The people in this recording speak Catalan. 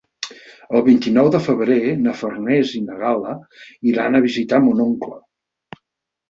El vint-i-nou de febrer na Farners i na Gal·la iran a visitar mon oncle.